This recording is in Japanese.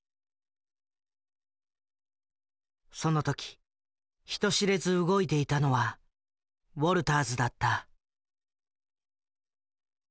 その時人知れず動いていたのはウォルターズだった。